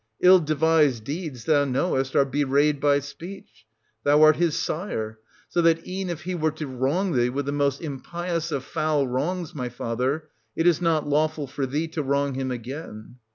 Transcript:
Ill devised deeds, thou knowest, are bewrayed by speech. Thou 1 190 art his sire; so that, e'en if he were to wrong thee with the most impious of foul wrongs, my father, it is not lawful for thee to wrong him again.